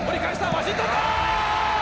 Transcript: ワシントンだ！